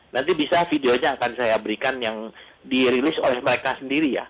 nanti bisa videonya akan saya berikan yang dirilis oleh mereka sendiri ya